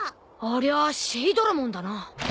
ありゃあシェイドラモンだな。